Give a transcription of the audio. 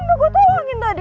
ih yaudah yaudah